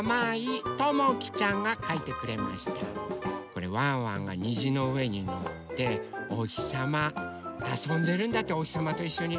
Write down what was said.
これワンワンがにじのうえにのっておひさまあそんでるんだっておひさまといっしょに。